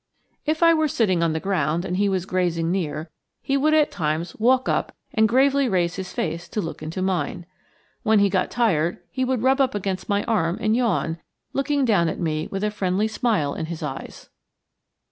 If I were sitting on the ground and he was grazing near, he would at times walk up and gravely raise his face to look into mine. When he got tired, he would rub up against my arm and yawn, looking down at me with a friendly smile in his eyes.